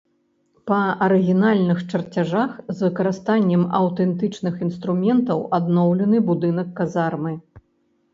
Па арыгінальных чарцяжах з выкарыстаннем аўтэнтычных інструментаў адноўлены будынак казармы.